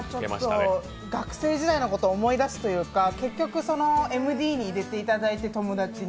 いやぁ、学生時代のことを思い出すというか、結局、ＭＤに入れていただいて、友達に。